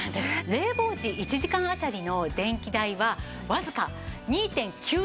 冷房時１時間あたりの電気代はわずか２．９円ほど。